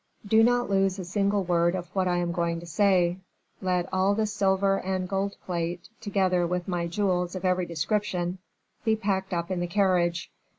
"Do not lose a single word of what I am going to say: let all the silver and gold plate, together with my jewels of every description, be packed up in the carriage.